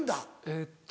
えっと